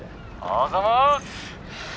「あざます！